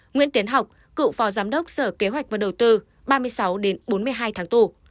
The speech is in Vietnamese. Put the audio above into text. nguyễn tiến học cựu phó giám đốc sở kế hoạch và đầu tư ba mươi sáu đến bốn mươi hai tháng tù